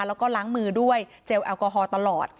แล้วก็ล้างมือด้วยเจลแอลกอฮอล์ตลอด